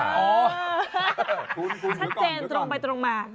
ท่านเจนตรงไปตรงมา